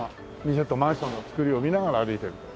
ちょっとマンションの造りを見ながら歩いてる。